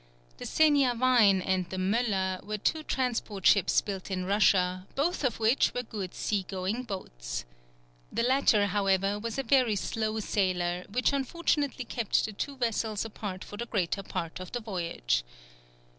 The Seniavine and the Möller were two transport ships built in Russia, both of which were good sea going boats. The latter, however, was a very slow sailer, which unfortunately kept the two vessels apart for the greater part of the voyage.